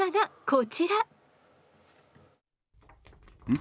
ん？